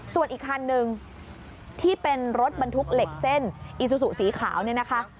ส่วนอีกคันนึงที่เป็นรถบรรทุกเหล็กเส้นอีซูซูสีขาวเนี่ยนะคะ